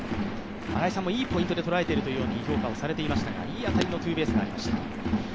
新井さんもいいポイントで捉えていると評価をされていましたが、いい当たりのツーベースがありました。